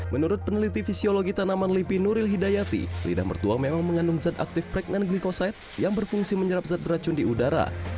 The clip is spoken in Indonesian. menurut peneliti fisiologi tanaman lipi nuril hidayati lidah mertua memang mengandung zat aktif pregnan glikoside yang berfungsi menyerap zat beracun di udara